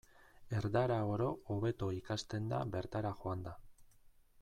Erdara oro hobeto ikasten da bertara joanda.